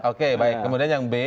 oke baik kemudian yang b